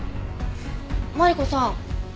マリコさん。